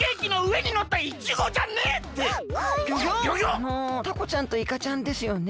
あのタコちゃんとイカちゃんですよね。